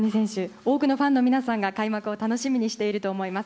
多くのファンの皆さんが開幕を楽しみにしていると思います。